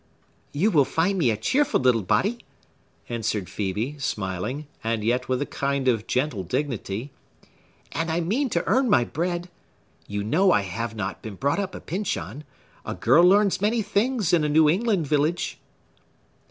"You will find me a cheerful little body" answered Phœbe, smiling, and yet with a kind of gentle dignity, "and I mean to earn my bread. You know I have not been brought up a Pyncheon. A girl learns many things in a New England village."